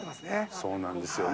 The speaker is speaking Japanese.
そうなんですよね。